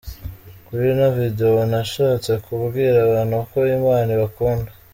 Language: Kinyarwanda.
Kuri ino Video nashatse kubwira abantu ko Imana ibakunda.